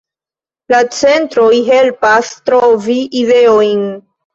La centroj helpas trovi ideojn.